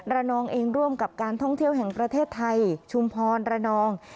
นองเองร่วมกับการท่องเที่ยวแห่งประเทศไทยชุมพรระนอง